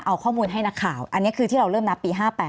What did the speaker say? เอาข้อมูลให้นักข่าวอันนี้คือที่เราเริ่มนับปี๕๘